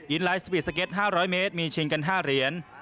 ไลท์สปีดสเก็ต๕๐๐เมตรมีชิงกัน๕เหรียญ